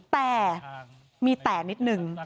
แต่มีแต่นิดนึง